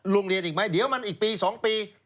โรงเรียนอีกไหมเดี๋ยวมันอีกปี๒ปี